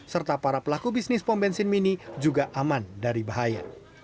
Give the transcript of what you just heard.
serta para pelaku bisnis pom bensin mini juga aman dari bahaya